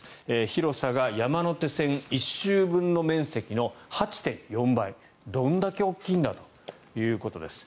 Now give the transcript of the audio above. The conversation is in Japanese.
広さが山手線１周分の面積の８．４倍どんだけ大きいんだということです。